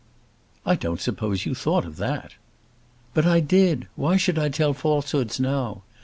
"I don't suppose you thought of that." "But I did. Why should I tell falsehoods now?